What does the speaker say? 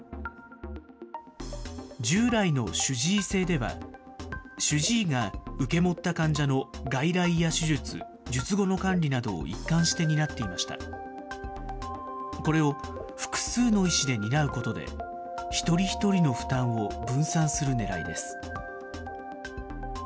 従来の主治医制では、主治医が受け持った患者の外来や手術、術後の管理などを一貫して担っていました。これを複数の医師で担うことで、一人一人の負担を分散するねらいです。